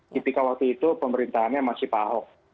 ketika waktu itu pemerintahnya masih pahok